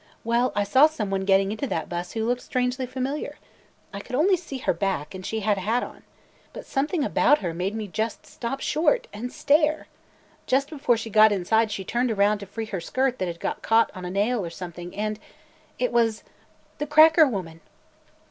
Well, I saw some one getting into that bus who looked strangely familiar. I could only see her back and she had a hat on. But something about her made me just stop short – and stare! Just before she got inside she turned around to free her skirt that had got caught on a nail or something – and – it was – the cracker woman!"